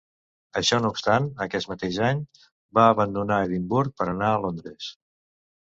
Això no obstant, aquest mateix any, va abandonar Edimburg per anar a Londres.